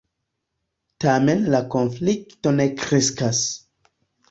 Tamen la konflikto ne kreskas.